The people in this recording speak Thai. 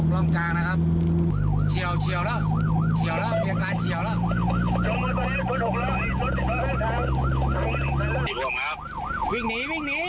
วิ่งหนีวิ่งหนี